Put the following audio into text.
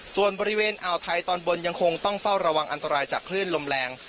ส่วนบริเวณอ่าวไทยตอนบนยังคงต้องเฝ้าระวังอันตรายจากคลื่นลมแรง